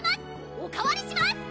おかわりします！